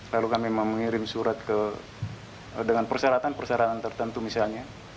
lalu kami mengirim surat dengan persyaratan persyaratan tertentu misalnya